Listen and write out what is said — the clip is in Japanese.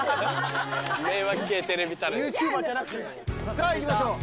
さあ行きましょう。